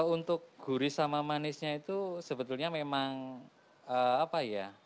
untuk gurih sama manisnya itu sebetulnya memang apa ya